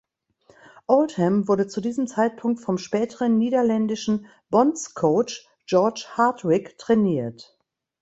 Oldham wurde zu diesem Zeitpunkt vom späteren niederländischen „Bondscoach“ George Hardwick trainiert.